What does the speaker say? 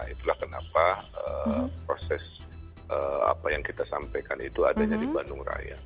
itulah kenapa proses apa yang kita sampaikan itu adanya di bandung raya